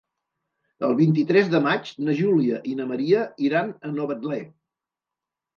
El vint-i-tres de maig na Júlia i na Maria iran a Novetlè.